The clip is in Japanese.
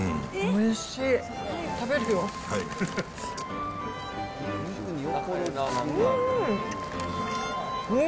おいしいね。